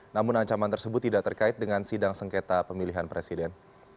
namun ancaman tersebut tidak terkait dengan sidang sengketa pemilihan presiden